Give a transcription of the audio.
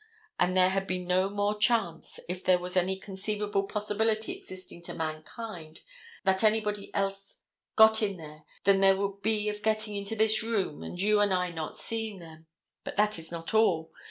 And there had been no more chance, if there was any conceivable possibility existing to mankind that anybody else got in than there would be of getting into this room and you and I not seeing them. But that is not all.